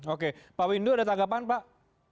oke pak windu ada tanggapan pak